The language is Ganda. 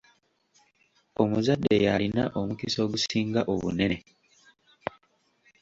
Omuzadde y'alina omukisa ogusinga obunene.